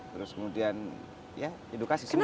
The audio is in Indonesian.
terus kemudian ya edukasi semua